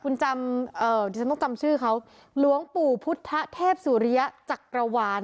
คุณจำเอ่อที่จะต้องจำชื่อเขาหลวงปู่พุทธเทพสุริยะจักรวรรณ